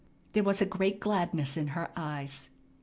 There was a great gladness in her eyes.